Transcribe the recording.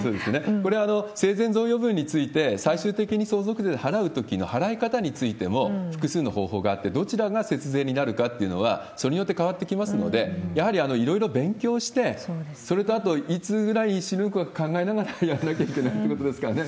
これ、生前贈与分について、最終的に相続税で払うときの払い方についても複数の方法があって、どちらが節税になるかっていうのは、人によって変わってきますので、やはりいろいろ勉強して、それとあと、いつぐらいに死ぬか考えながらやらなきゃいけないということです